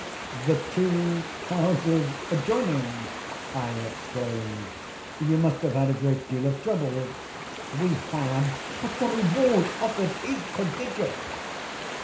"The two houses adjoining!" I exclaimed; "you must have had a great deal of trouble." "We had; but the reward offered is prodigious!"